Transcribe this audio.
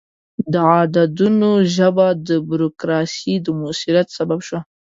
د عددونو ژبه د بروکراسي د موثریت سبب شوه.